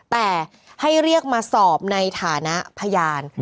แต่ให้เรียกมาสอบในฐานะพยาน